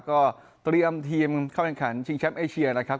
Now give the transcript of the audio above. ก็เตรียมทีมเข้าแข่งขันชิงแชมป์เอเชียนะครับ